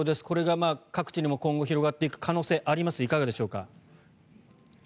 これが各地にも広がっていく可能性もありますがいかがでしょうか。